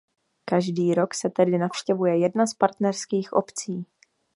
Každý rok se tedy navštěvuje jedna z partnerských obcí.